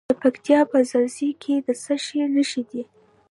د پکتیا په ځاځي کې د څه شي نښې دي؟